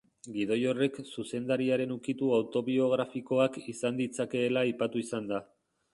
Gidoi horrek zuzendariaren ukitu autobiografikoak izan ditzakeela aipatu izan da.